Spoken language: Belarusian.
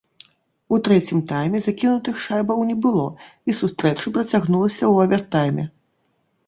У трэцім тайме закінутых шайбаў не было, і сустрэча працягнулася ў авертайме.